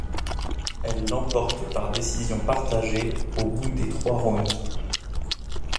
Elle l'emporte par décision partagée au bout des trois rounds.